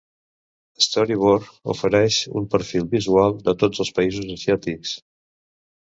"Story Board" ofereix un perfil visual de tots els països asiàtics.